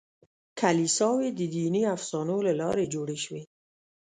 کلیساوې د دیني افسانو له لارې جوړې شوې.